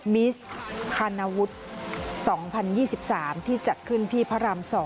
มิสคานาวุฒิ๒๐๒๓ที่จัดขึ้นที่พระราม๒